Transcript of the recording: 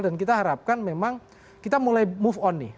dan kita harapkan memang kita mulai move on nih